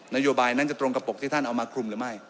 นโยบายนั้นจะตรงกับปกที่ท่านเอามาคลุมหรือไม่